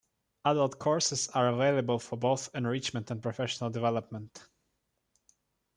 Adult courses are available for both enrichment and professional development.